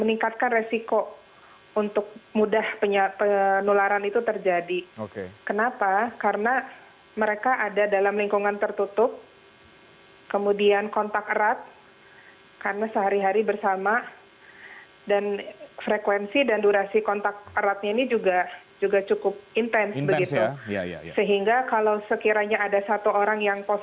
ini saya yakin karena pendidikan